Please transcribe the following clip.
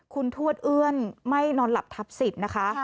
คุณทวดเอื้อนไม่นอนหลับทับสิทธิ์นะคะ